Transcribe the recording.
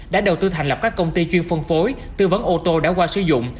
đã đầu tư thành lập các công ty chuyên phân phối tư vấn ô tô đã qua sử dụng